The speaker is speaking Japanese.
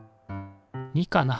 ２かな？